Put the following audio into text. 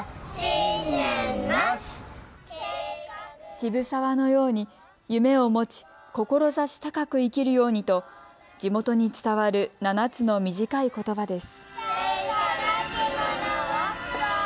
渋沢のように夢を持ち志高く生きるようにと地元に伝わる７つの短いことばです。